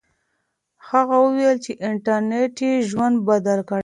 هغه وویل چې انټرنیټ یې ژوند بدل کړی دی.